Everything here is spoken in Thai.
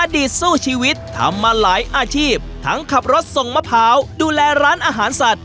สู้ชีวิตทำมาหลายอาชีพทั้งขับรถส่งมะพร้าวดูแลร้านอาหารสัตว